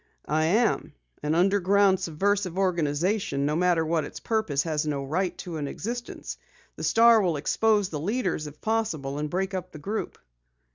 "I am. An underground, subversive organization, no matter what its purpose, has no right to an existence. The Star will expose the leaders, if possible, and break up the group."